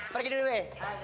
pergi dulu be